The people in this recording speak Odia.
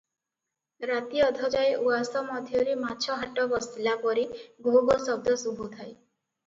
ରାତି ଅଧଯାଏ ଉଆସ ମଧ୍ୟରେ ମାଛ ହାଟ ବସିଲା ପରି ଘୋ ଘୋ ଶବ୍ଦ ଶୁଭୁଥାଏ ।